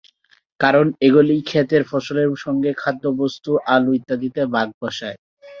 কারণ এগুলি ক্ষেতের ফসলের সঙ্গে খাদ্যবস্ত্ত, আলো ইত্যাদিতে ভাগ বসায়।